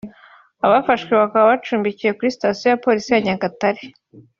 abafashwe bakaba bacumbikiwe kuri sitasiyo ya Polisi ya Nyagatare